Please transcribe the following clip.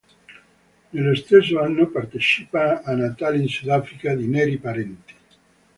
Nello stesso anno partecipa a "Natale in Sudafrica" di Neri Parenti.